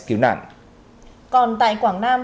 cứu nạn còn tại quảng nam